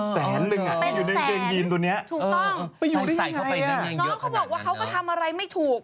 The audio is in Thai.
แสนหนึ่งเป็นแสนถูกต้องไปอยู่ได้อย่างไรน้องเขาบอกว่าเขาทำอะไรไม่ถูก